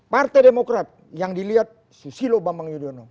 partai demokrat yang dilihat susilo bangsa